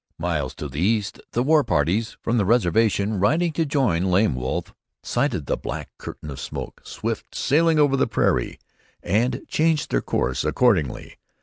Miles to the east the war parties from the reservation, riding to join Lame Wolf, sighted the black curtain of smoke, swift sailing over the prairie, and changed their course accordingly.